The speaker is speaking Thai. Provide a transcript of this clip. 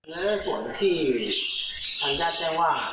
และส่วนที่ทางญาติแจ้งว่า